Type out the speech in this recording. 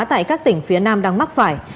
tại các tỉnh phía nam đang mắc phải